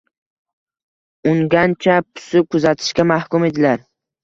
Ungancha, pusib kuzatishga mahkum edilar.